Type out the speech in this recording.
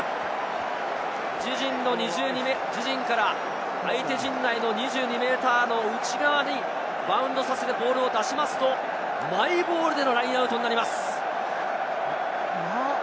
自陣の２２ｍ、自陣から相手陣内の２２ｍの内側にバウンドさせてボールを出すとマイボールでのラインアウトになります。